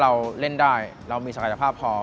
เราเล่นได้เรามีศักยภาพพอ